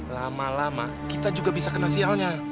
lama lama kita juga bisa kena sialnya